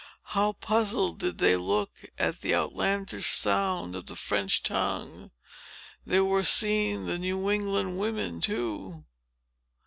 How puzzled did they look, at the outlandish sound of the French tongue! There were seen the New England women, too.